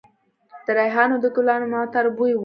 د ریحانو د ګلانو معطر بوی و